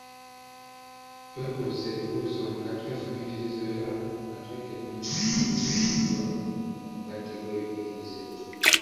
Twebuuze ebibuuzo, nga twefumiitiriza era nga twekenneenya ebyo ebizingirwa mu mugatte gw’enjigiriza eyo.